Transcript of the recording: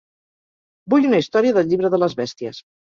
Vull una història del Llibre de les bèsties.